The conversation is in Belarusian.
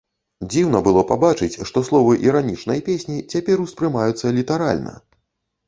Дзіўна было пабачыць, што словы іранічнай песні цяпер успрымаюцца літаральна.